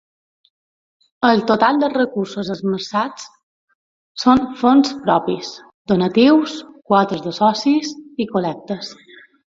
El total dels recursos esmerçats són fons propis: donatius, quotes de socis, i col·lectes.